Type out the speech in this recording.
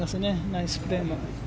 ナイスプレー。